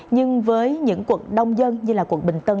nhưng với những quận đông dân như là quận bình tân